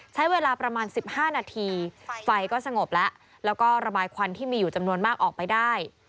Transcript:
ใช้เวลาประมาณ๑๕นาทีไฟก็สงบแล้วแล้วก็ระบายควันที่มีอยู่จำนวนมากออกไปได้